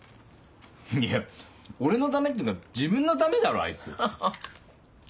いや俺のためっていうか自分のためだろあいつ。